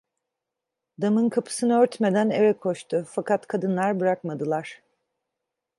Damın kapısını örtmeden eve koştu, fakat kadınlar bırakmadılar.